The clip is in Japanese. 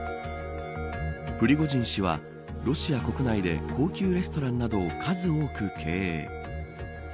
プリゴジン氏はロシア国内で高級レストランなどを数多く経営。